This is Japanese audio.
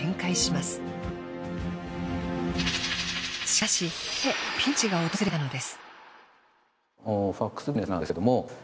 しかしここでピンチが訪れたのです。